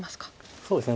そうですね